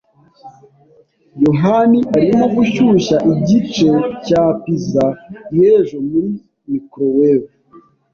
yohani arimo gushyushya igice cya pizza y'ejo muri microwave.